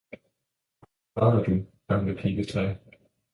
hvorfor græder du, gamle piletræ!